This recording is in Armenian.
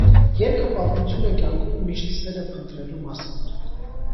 Երգը պատմություն է կյանքում միշտ սերը փնտրելու մասին։